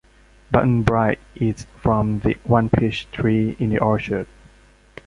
Button-Bright eats from the one peach tree in the orchard.